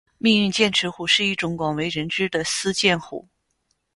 命运剑齿虎是一种广为人知的斯剑虎。